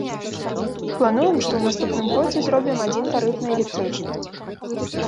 Плануем, што ў наступным годзе зробім адзіны тарыф на электрычнасць.